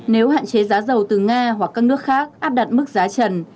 nếu hạn chế giá dầu từ nga hoặc các nước khác áp đặt mức giá trần